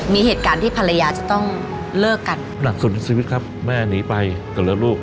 มีเหตุการณ์ที่ภรรยาจะต้องเลิกกันหนักสุดในชีวิตครับแม่หนีไปกับเหลือลูก